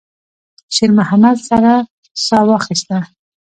شېرمحمد سړه ساه واخيسته.